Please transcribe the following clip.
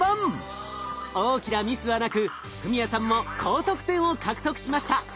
大きなミスはなく史哉さんも高得点を獲得しました。